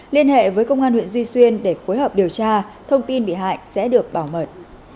liên hệ với công an huyện duy xuyên để phối hợp điều tra thông tin bị hại sẽ được bảo mật